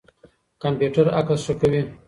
کمپيوټر عکس ښه کوي.